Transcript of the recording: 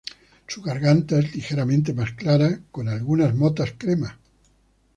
Su garganta es ligeramente más clara con algunas motas crema.